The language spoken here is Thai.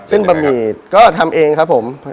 บะหมี่ก็ทำเองครับผม